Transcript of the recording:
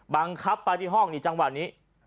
บังคับไปที่ห้องนี่จังหวะนี้